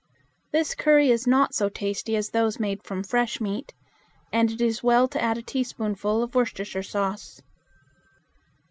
This curry is not so tasty as those made from fresh meat, and it is well to add a teaspoonful of Worcestershire sauce.